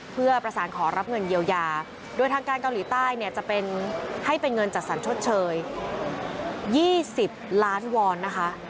เพื่อประสานขอรับเงินเยียวยาโดยทางการเกาหลีใต้เนี่ยจะเป็นให้เป็นเงินจัดสรรชดเชย๒๐ล้านวอนนะคะ